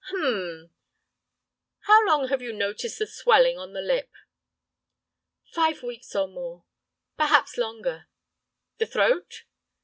"Hum! How long have you noticed the swelling on the lip?" "Five weeks or more, perhaps longer." "The throat?"